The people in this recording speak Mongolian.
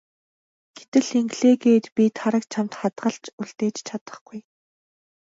Гэтэл ингэлээ гээд би Тараг чамд хадгалж үлдээж чадахгүй.